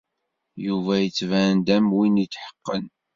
Yuba yettban-d am win yetḥeqqen.